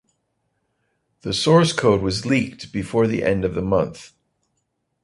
The source code was leaked before the end of the month.